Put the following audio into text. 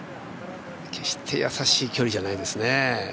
決して優しい距離じゃないですね